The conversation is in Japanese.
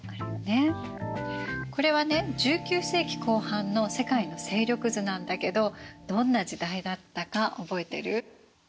これはね１９世紀後半の世界の勢力図なんだけどどんな時代だったか覚えてる？